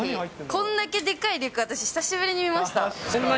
こんだけでかいリュック、私、久しぶりに見ました。